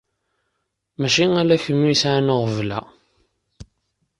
Mačči ala kemm i yesɛan aɣbel-a.